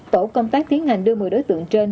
tổ công tác tiến hành đưa một mươi đối tượng trên